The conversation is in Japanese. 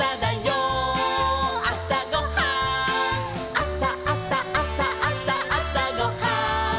「あさあさあさあさあさごはん」